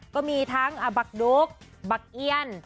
ก็มีทั้งบักดุ๊กบักเอี้ยน